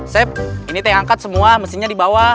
sayap ini teh angkat semua mesinnya di bawah